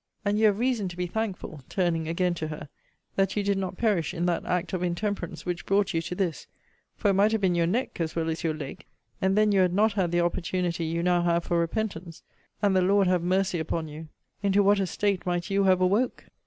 And you have reason to be thankful, turning again to her, that you did not perish in that act of intemperance which brought you to this: for it might have been your neck, as well as your leg; and then you had not had the opportunity you now have for repentance and, the Lord have mercy upon you! into what a state might you have awoke!